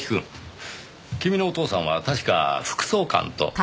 君のお父さんは確か副総監と。